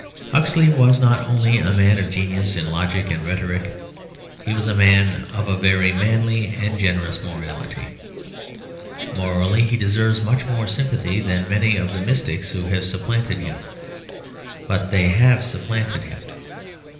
Huxley was not only a man of genius in logic and rhetoric; he was a man of a very manly and generous morality. Morally he deserves much more sympathy than many of the mystics who have supplanted him. But they have supplanted him.